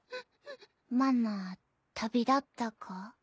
マナ旅立ったか？